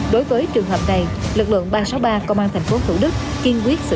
đối với trường hợp này lực lượng ba trăm sáu mươi ba công an tp thủ đức kiên quyết xử lý